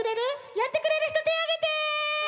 やってくれるひとてあげて！